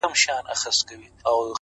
كه خپلوې مي نو در خپل مي كړه زړكيه زما”